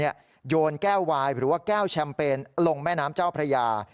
โยนแก้ววายหรือว่าแก้วแชมเปญลงแม่น้ำเจ้าพระยา